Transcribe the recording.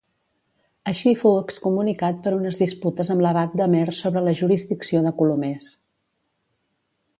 Així fou excomunicat per unes disputes amb l'abat d'Amer sobre la jurisdicció de Colomers.